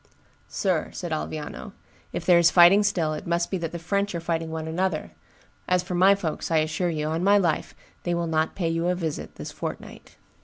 "Sir," said Alviano, "if there is fighting still, it must be that the French are fighting one another; as for my folks, I assure you, on my life, they will not pay you a visit this fortnight."